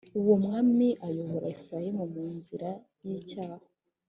Uwo mwami ayobora Efurayimu mu nzira y’icyaha.